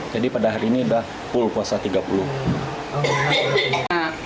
jadi pada hari ini sudah pul puasa tiga puluh